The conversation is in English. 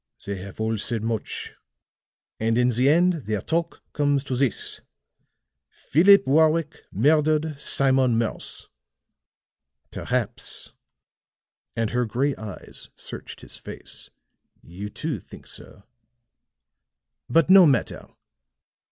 They have all said much, and in the end their talk comes to this: Philip Warwick murdered Simon Morse. "Perhaps," and her gray eyes searched his face, "you too think so. But no matter.